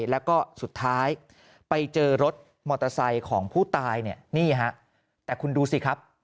แล้วก็สุดท้ายไปเจอรถมอเตอร์ไซค์ของผู้ตายเนี่ยนี่ฮะแต่คุณดูสิครับ